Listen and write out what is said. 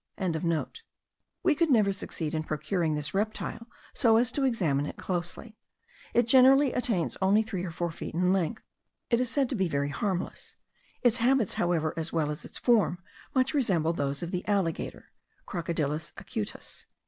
We never could succeed in procuring this reptile so as to examine it closely: it generally attains only three or four feet in length. It is said to be very harmless; its habits however, as well as its form, much resemble those of the alligator (Crocodilus acutus).